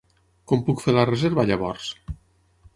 Com puc fer la reserva llavors?